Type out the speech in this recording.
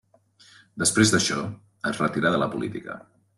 Després d'això, es retirà de la política.